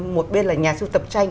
một bên là nhà siêu tập tranh